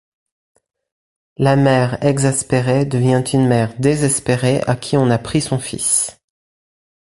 La mère exaspérée devient une mère désespérée à qui on a pris son fils.